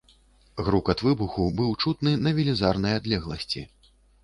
Грукат выбуху быў чутны на велізарнай адлегласці.